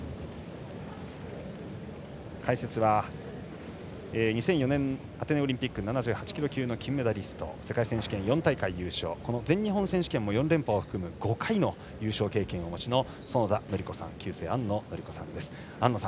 解説は２００４年アテネオリンピック７８キロ級の金メダリスト世界選手権４大会優勝全日本選手権も４連覇を含む５回の優勝経験をお持ちの園田教子さん旧姓・阿武教子さんです。